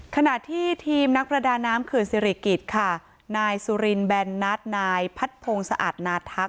ขณะที่ทีมนักประดาน้ำเขื่อนศิริกิจค่ะนายสุรินแบนนัทนายพัดพงศอาจนาทัก